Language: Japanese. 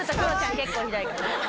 結構ひどいから。